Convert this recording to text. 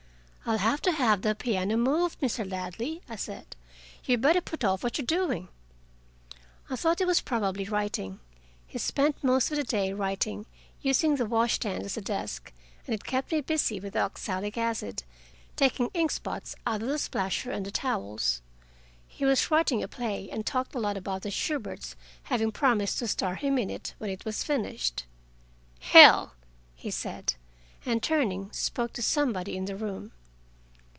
"I'll have to have the piano moved, Mr. Ladley," I said. "You'd better put off what you are doing." I thought he was probably writing. He spent most of the day writing, using the wash stand as a desk, and it kept me busy with oxalic acid taking ink spots out of the splasher and the towels. He was writing a play, and talked a lot about the Shuberts having promised to star him in it when it was finished. "Hell!" he said, and turning, spoke to somebody in the room.